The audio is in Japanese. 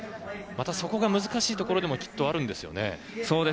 またそこが難しいところでもきっとあるんですよね。